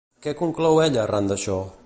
Què conclou ella arran d'això?